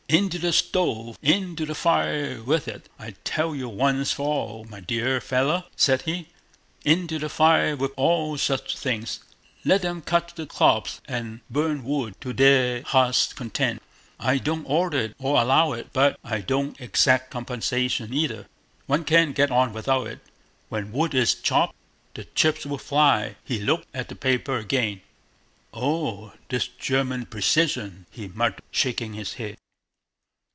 "Into the stove... into the fire with it! I tell you once for all, my dear fellow," said he, "into the fire with all such things! Let them cut the crops and burn wood to their hearts' content. I don't order it or allow it, but I don't exact compensation either. One can't get on without it. 'When wood is chopped the chips will fly.'" He looked at the paper again. "Oh, this German precision!" he muttered, shaking his head.